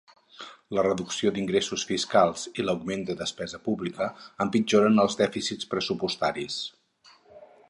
La reducció d'ingressos fiscals i l'augment de despesa pública empitjoren els dèficits pressupostaris.